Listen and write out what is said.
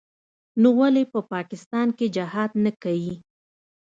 نو ولې په پاکستان کښې جهاد نه کيي.